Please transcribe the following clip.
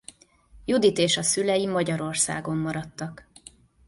Judit és a szülei Magyarországon maradtak.